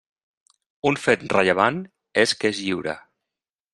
Un fet rellevant és que és lliure.